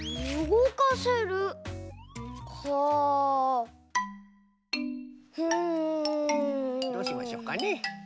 どうしましょうかね？